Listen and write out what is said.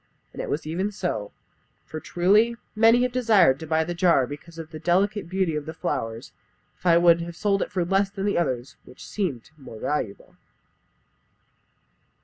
And it was even so; for truly, many have desired to buy the jar because of the delicate beauty of the flowers, if I would have sold it for less than others which seemed more valuable."